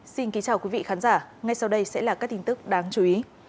xin kính chào quý vị khán giả ngay sau đây sẽ là các tin tức đáng chú ý